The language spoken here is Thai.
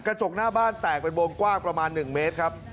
กระจกหน้าบ้านแตกเป็นวงกว้างประมาณ๑เมตรครับ